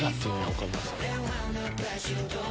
岡村さん。